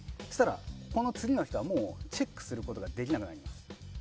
この次の人はチェックをすることができなくなります。